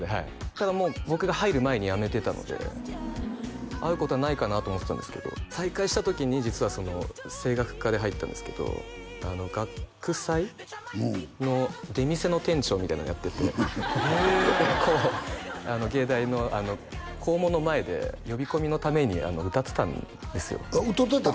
ただもう僕が入る前にやめてたので会うことはないかなと思ってたんですけど再会した時に実は声楽科で入ったんですけど学祭の出店の店長みたいなのやっててへえ藝大の校門の前で呼び込みのために歌ってたんですよ歌うてたん？